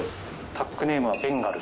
ＴＡＣネームはベンガル。